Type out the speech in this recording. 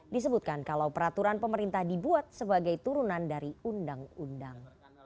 disebutkan kalau peraturan pemerintah dibuat sebagai turunan dari undang undang